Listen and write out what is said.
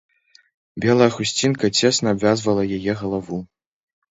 Белая хусцінка цесна абвязвала яе галаву.